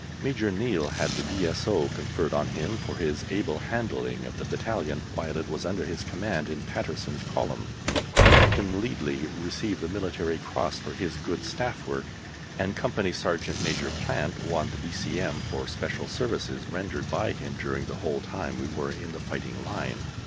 Major Neill had the D.S.O. conferred on him for his able handling of the battalion while it was under his command in "Patterson's Column," Captain Leadley received the Military Cross for his good Staff work, and Company Sergeant Major Plant won the D.C.M. for special services rendered by him during the whole time we were in the fighting line.